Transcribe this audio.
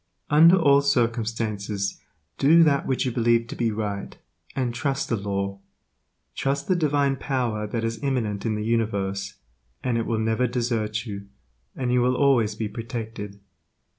Under all circumstances do that which you believe to be right, and trust the Law; trust the Divine Power that is imminent in the universe, and it will never desert you, and you will always be protected.